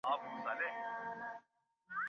ওহ, ওহ।